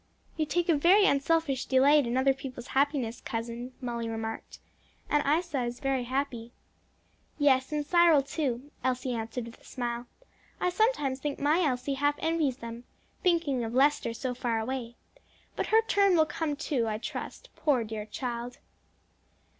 '" "You take a very unselfish delight in other people's happiness, cousin," Molly remarked. "And Isa is very happy." "Yes, and Cyril too," Elsie answered with a smile. "I sometimes think my Elsie half envies them thinking of Lester so far away. But her turn will come too, I trust, poor, dear child!"